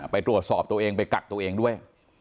ไปตรวจสอบตัวเองไปกักตัวเองด้วย